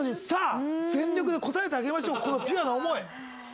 さあ全力でこたえてあげましょうこのピュアな思い。